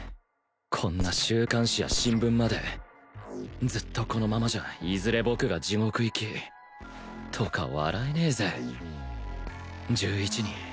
こんな週刊誌や新聞までずっとこのままじゃいずれ僕が地獄行きとか笑えねえぜ１１人